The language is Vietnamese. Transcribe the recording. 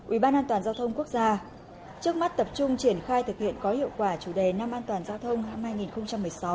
ubnd quốc gia trước mắt tập trung triển khai thực hiện có hiệu quả chủ đề năm an toàn giao thông hãng hai nghìn một mươi sáu